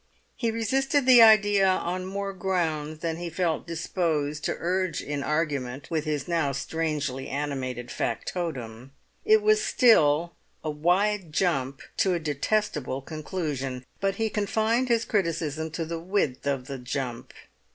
He resisted the idea on more grounds than he felt disposed to urge in argument with his now strangely animated factotum. It was still a wide jump to a detestable conclusion, but he confined his criticism to the width of the jump.